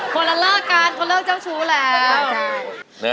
คนละเลิกกันคนเลิกเจ้าชู้แล้ว